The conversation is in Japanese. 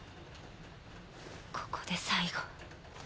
ここで最後。